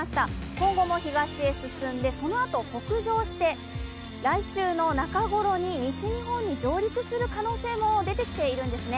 今後も東へ進んでそのあと北上して来週の中頃に西日本に上陸する可能性も出てきているんですね。